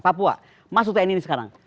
papua masuk tni ini sekarang